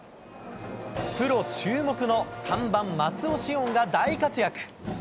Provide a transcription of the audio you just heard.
プロ注目の３番松尾汐恩が大活躍。